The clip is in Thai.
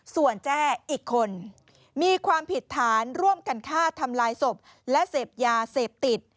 ส่วนแจ้อีกคนมีความผิดฐานร่วมกันฆ่าทำลายศพและเสพยาเสพติด